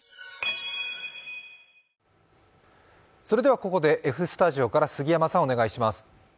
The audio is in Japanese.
それではここでＦスタジオから杉山さん、お願いします。